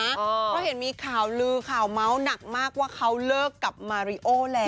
เพราะเห็นมีข่าวลือข่าวเมาส์หนักมากว่าเขาเลิกกับมาริโอแล้ว